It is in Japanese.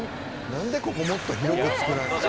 なんでここもっと広く造らへんの？